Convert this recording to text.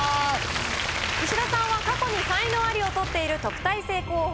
石田さんは過去に才能アリを取っている特待生候補。